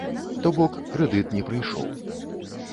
То бок, крэдыт не прыйшоў.